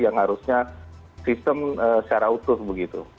yang harusnya sistem secara utuh begitu